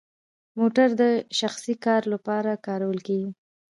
موټر د شخصي کار لپاره کارول کیږي؟